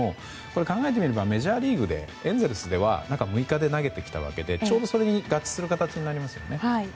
考えてみればメジャーリーグでエンゼルスでは中６日で投げてきたわけでちょうどそれに合致する形になりますよね。